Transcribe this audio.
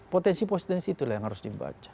potensi potensi itulah yang harus dibaca